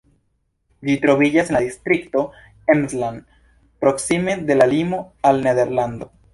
Ĝi troviĝas en la distrikto Emsland, proksime de la limo al Nederlando.